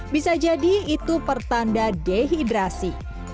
bisa jadi itu pertanda dehidrasi